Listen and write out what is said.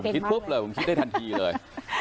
ปุ๊บเลย